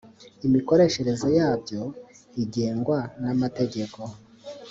imikoreshereze yabyo igengwa n amategeko